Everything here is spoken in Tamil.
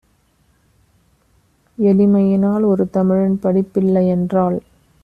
எளிமையினால் ஒருதமிழன் படிப்பில்லை யென்றால்